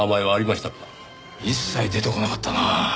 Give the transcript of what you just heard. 一切出てこなかったな。